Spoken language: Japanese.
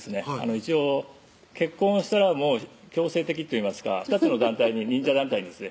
一応結婚したら強制的といいますか２つの忍者団体にですね